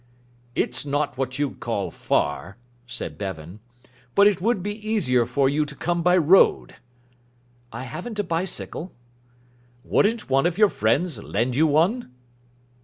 "It's not what you'd call far," said Bevan. "But it would be easier for you to come by road." "I haven't a bicycle." "Wouldn't one of your friends lend you one?"